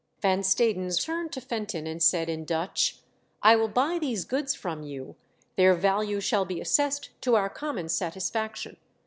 Van Stadens turned to Fenton and said in Dutch :" I will buy these goods from you. Their value shall be assessed to our common satisfaction.